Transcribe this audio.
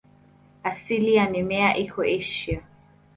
Asili ya mimea iko Asia.